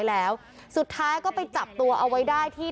เพราะถูกทำร้ายเหมือนการบาดเจ็บเนื้อตัวมีแผลถลอก